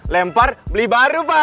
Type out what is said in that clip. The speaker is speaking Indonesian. lempar beli baru pak